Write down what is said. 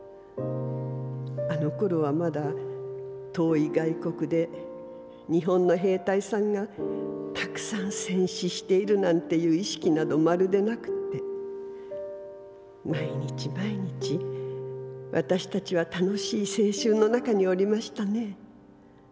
あの頃はまだ遠い外国で日本の兵隊さんがたくさん戦死しているなんていう意識などまるでなくて毎日毎日私たちはたのしい青春の中におりましたね。